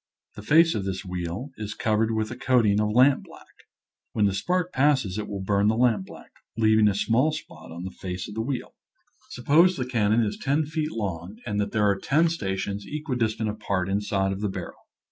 The face of this wheel is covered with a coat ing of lampblack. When the spark passes it will burn the lampblack, leaving a small spot on the face of the wheel. Suppose the cannon is ten feet long and that / i . Original from UNIVERSITY OF WISCONSIN firing a Sbot. 241 there are ten stations equidistant apart inside of the barrel.